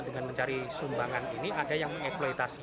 dengan mencari sumbangan ini ada yang mengekploitasi